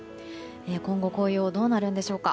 今後、紅葉どうなるんでしょうか。